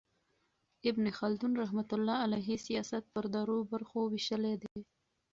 ابن خلدون رحمة الله علیه سیاست پر درو برخو ویشلی دئ.